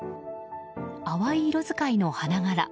淡い色使いの花柄